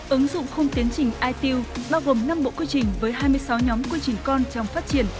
ứng dụng không tiến trình itu bao gồm năm bộ quy trình với hai mươi sáu nhóm quy trình con trong phát triển